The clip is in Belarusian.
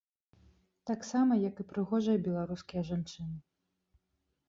Таксама, як і прыгожыя беларускія жанчыны.